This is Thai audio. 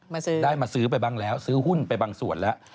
มาซื้อได้มาซื้อไปบ้างแล้วซื้อหุ้นไปบางส่วนแล้ว